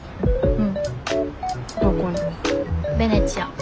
うん。